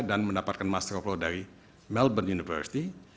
dan mendapatkan master of law dari melbourne university